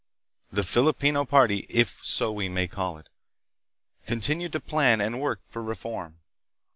The Filipino party, if so we may call it, continued to plan and work for reform.